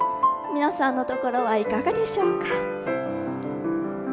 皆さんのところはいかがでしょうか。